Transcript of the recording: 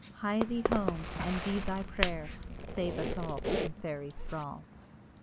Hie thee home, and be thy pray'r, Save us all from Fairy thrall.